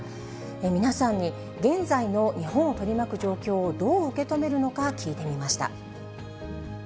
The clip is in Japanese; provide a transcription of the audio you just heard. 皆さんに現在の日本を取り巻く状況をどう受け止めるのか、聞いてみました。